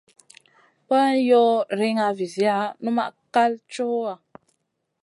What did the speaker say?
Boyen yoh riŋa viziya, numaʼ kal cowa.